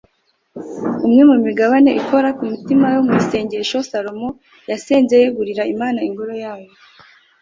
umwe mu migabane ikora ku mutima yo mu isengesho salomo yasenze yegurira imana ingoro yayo